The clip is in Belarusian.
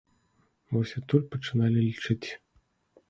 Вось адтуль пачыналі лічыць.